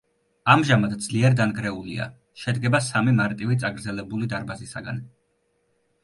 ამჟამად ძლიერ დანგრეულია, შედგება სამი მარტივი წაგრძელებული დარბაზისაგან.